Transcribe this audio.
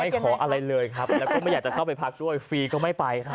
ขออะไรเลยครับแล้วก็ไม่อยากจะเข้าไปพักด้วยฟรีก็ไม่ไปครับ